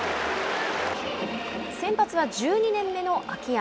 先発は１２年目の秋山。